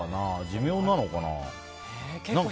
寿命なのかな。